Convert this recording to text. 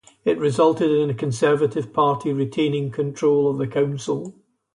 It resulted in the Conservative Party retaining control of the council.